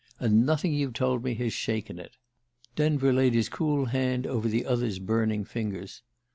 And nothing you've told me has shaken it." Denver laid his cool hand over the other's burning fingers.